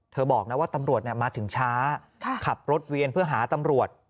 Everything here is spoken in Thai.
บอกนะว่าตำรวจมาถึงช้าขับรถเวียนเพื่อหาตำรวจ